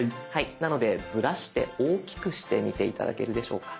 なのでズラして大きくしてみて頂けるでしょうか。